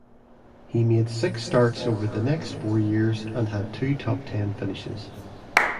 He made six starts over the next four years and had two top-ten finishes.